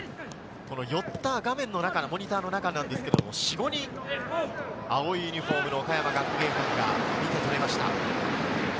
寄った画面のモニターの中ですが、４５人、青いユニホームの岡山学芸館が見てとれました。